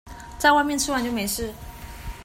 在外面吃完就沒事